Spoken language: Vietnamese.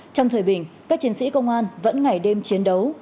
trong thời bình các chiến sĩ công an vẫn ngày đêm chiến đấu